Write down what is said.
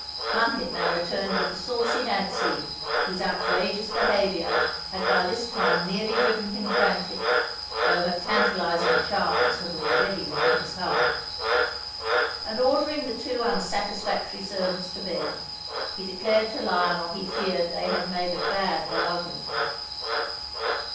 Plunket now returned with the saucy Nancy, whose outrageous behaviour had by this time nearly driven him frantic, though her tantalizing charms had already won his heart; and ordering the two unsatisfactory servants to bed, he declared to Lionel he feared they had made a bad bargain.